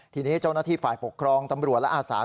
ทีนี้เจ้าหน้าที่ฝ่ายปกครองตำรวจและอาสา